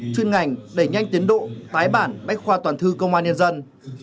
chuyên ngành đẩy nhanh tiến độ tái bản bách khoa toàn thư công an nhân dân